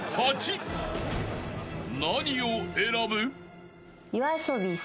［何を選ぶ？］